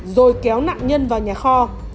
rồi kéo nạn nhân vào nhà kho